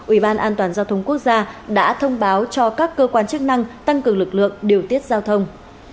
ủy ban an toàn giao thông quốc gia đã thông báo cho các cơ quan chức năng tăng cường lực lượng điều tiết giao thông